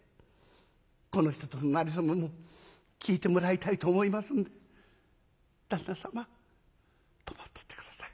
この人とのなれ初めも聞いてもらいたいと思いますんで旦那様泊まってって下さい。